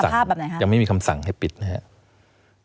ตอนนี้ยังไม่มีคำสั่งให้ปิดนะครับ